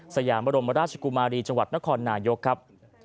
สยามบรมราชกุมารีจังหวัดนครนายกครับ